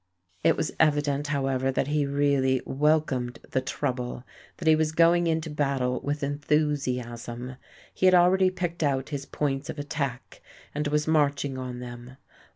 It was evident, however, that he really welcomed the "trouble," that he was going into battle with enthusiasm. He had already picked out his points of attack and was marching on them.